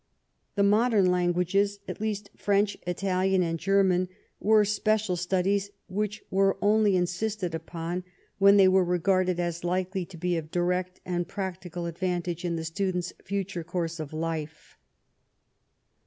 The modem languages — at least French, Italian, and German — ^were special studies which were only insisted upon when they were regarded as likely to be of direct and practical advan tage in the student's future course of life.